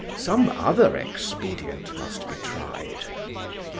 Some other expedient must be tried."